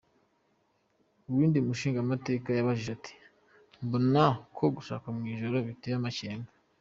Uwundi mushingamateka yabajije ati: "Mbona ko gusaka mw'ijoro biteye amakenga.